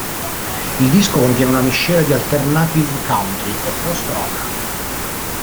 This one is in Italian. Il disco contiene una miscela di alternative country e post rock.